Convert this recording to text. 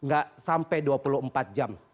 gak sampai dua puluh empat jam